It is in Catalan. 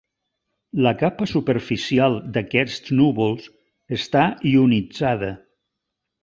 La capa superficial d'aquests núvols està ionitzada.